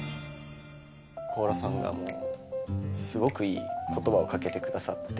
高良さんがもう、すごくいいことばをかけてくださって。